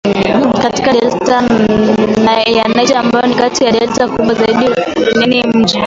katika delta ya Niger ambayo ni kati ya delta kubwa zaidi duniani Mji